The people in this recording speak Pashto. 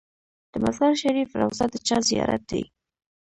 د مزار شریف روضه د چا زیارت دی؟